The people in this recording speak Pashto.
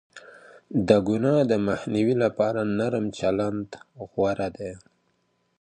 د گناه د مخنيوي لپاره نرم چلند غوره دی.